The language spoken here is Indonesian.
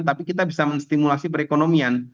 tapi kita bisa menstimulasi perekonomian